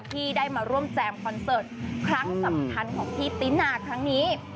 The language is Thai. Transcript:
ที่ได้มาร่วมแจมคอนเสิร์ตครั้งสำคัญของพี่ตินาครั้งนี้